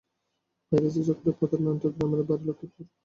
Piracy চক্রের প্রধান নান্টুর গ্রামের বাড়ি লক্ষ্মীপুরে।